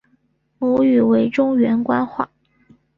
母语为中原官话。